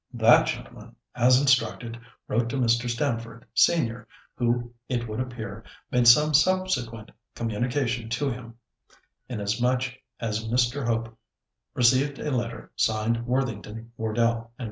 That gentleman, as instructed, wrote to Mr. Stamford, senior, who, it would appear, made some subsequent communication to him, inasmuch as Mr Hope received a letter signed Worthington, Wardell and Co.